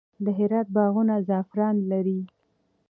د هرات باغونه زعفران لري.